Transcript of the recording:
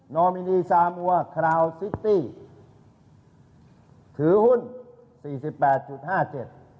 อมินีซามัวคราวซิตี้ถือหุ้นสี่สิบแปดจุดห้าเจ็ด